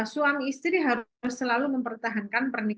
suami istri harus selalu mempertahankan pernikahan